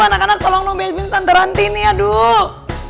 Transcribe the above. anak anak tolong dong bebasin santa rantini aduh